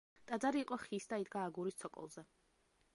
ტაძარი იყო ხის და იდგა აგურის ცოკოლზე.